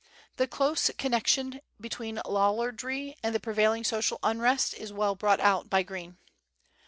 The close connection between Lollardry and the prevailing social unrest is well brought out by Green.